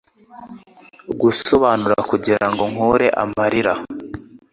Gusobanura, kugirango nkure amarira,